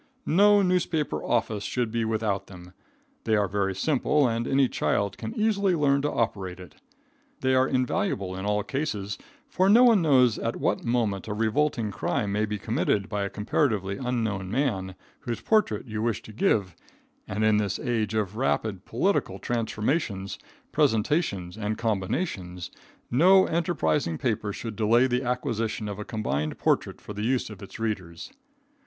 No newspaper office should be without them. They are very simple, and any child can easily learn to operate it. They are invaluable in all cases, for no one knows at what moment a revolting crime may be committed by a comparatively unknown man, whose portrait you wish to give, and in this age of rapid political transformations, presentations and combinations, no enterprising paper should delay the acquisition of a combined portrait for the use of its readers.